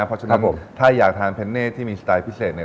เพราะฉะนั้นผมถ้าอยากทานเพนเน่ที่มีสไตล์พิเศษเนี่ย